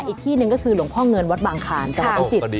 อีกที่นึงก็คือหลวงพ่อเงินวัดบังคารตะวันจิต